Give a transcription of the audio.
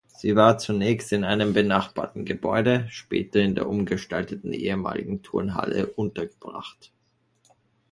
Sie war zunächst in einem benachbarten Gebäude, später in der umgestalteten ehemaligen Turnhalle untergebracht.